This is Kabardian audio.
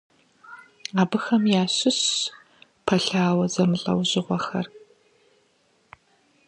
Абыхэм ящыщщ пэлъауэ зэмылӀэужьыгъуэхэр.